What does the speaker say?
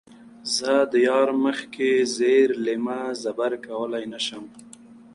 زۀ د يار مخکښې زېر لېمۀ زبَر کؤلے نۀ شم